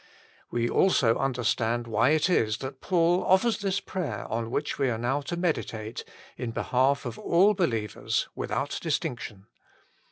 We also understand why it is that Paul offers this prayer on which we are now to meditate, in behalf of all believers without distinction.